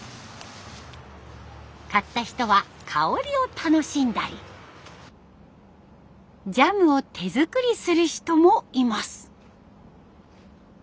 買った人は香りを楽しんだりジャムを手作りする人もいます。